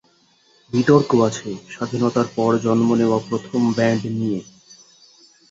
বিতর্ক আছে স্বাধীনতার পর জন্ম নেওয়া প্রথম ব্যান্ড নিয়ে।